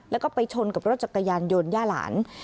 แล้วก็ไปชนกับรถจักรยานยนต์ย่าหลาน